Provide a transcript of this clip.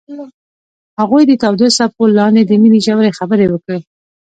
هغوی د تاوده څپو لاندې د مینې ژورې خبرې وکړې.